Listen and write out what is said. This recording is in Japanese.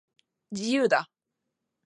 自由だ